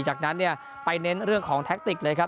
จากนั้นเนี่ยไปเน้นเรื่องของแท็กติกเลยครับ